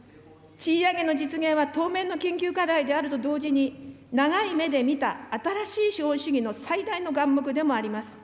賃上げの実現は当面の緊急課題であると同時に、長い目で見た新しい資本主義の最大の眼目でもあります。